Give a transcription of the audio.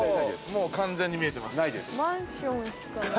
もう完全に見えてます。